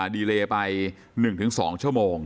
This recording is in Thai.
ดีเลไป๑๒ชั่วโมง